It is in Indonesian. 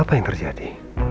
apa yang terjadi